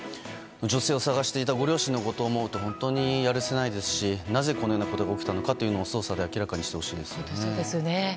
女性を捜していたご両親のことを思うと本当にやるせないですしなぜこのようなことが起きたのかというのを捜査で明らかにしてほしいですね。